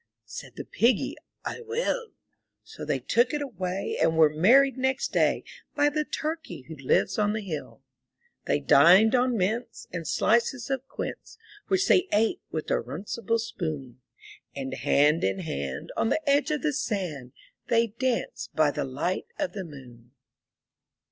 Said the Piggy, '1 will." So they took it away, and were married next day By the Turkey who lives on the hill. They dined on mince and slices of quince, Which they ate with a runcible spoon; And hand in hand, on the edge of the sand, They danced by the light of the moon.